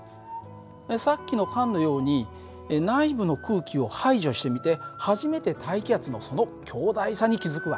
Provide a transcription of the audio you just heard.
さっきの缶のように内部の空気を排除してみて初めて大気圧のその強大さに気付く訳です。